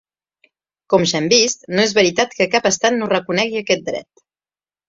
Com ja hem vist, no és veritat que cap estat no reconegui aquest dret.